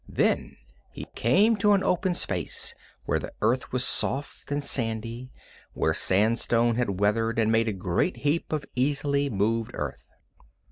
Then he came to an open space where the earth was soft and sandy, where sandstone had weathered and made a great heap of easily moved earth.